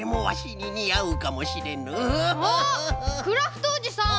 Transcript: クラフトおじさん。